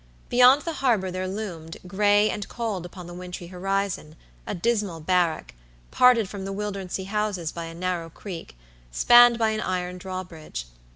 Beyond the harbor there loomed, gray and cold upon the wintry horizon, a dismal barrack, parted from the Wildernsea houses by a narrow creek, spanned by an iron drawbridge.